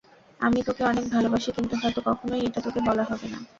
আমি তোকে অনেক ভালোবাসি কিন্তু হয়তো কখনোই এটা তোকে বলা হবে না।